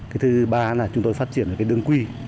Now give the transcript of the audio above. cái thứ ba là chúng tôi phát triển về cái đường quy